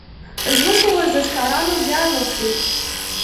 زموږ په ورزشکارانو ویاړ وکړئ.